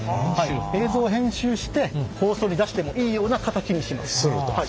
映像を編集して放送に出してもいいような形にします。